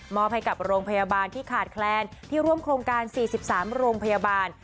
ให้กับโรงพยาบาลที่ขาดแคลนที่ร่วมโครงการ๔๓โรงพยาบาล